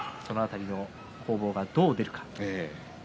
その辺りの攻防がどう出るか。